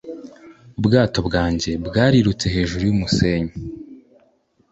Ubwato bwanjye bwarirutse hejuru yumusenyi.